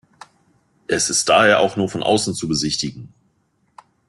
Es ist daher auch nur von außen zu besichtigen.